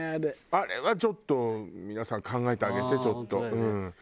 あれはちょっと皆さん考えてあげてちょっと。